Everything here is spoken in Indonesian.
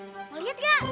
mau lihat gak